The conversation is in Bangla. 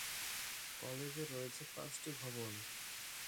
কলেজে রয়েছে পাঁচটি ভবন।